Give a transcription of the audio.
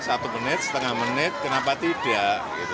satu menit setengah menit kenapa tidak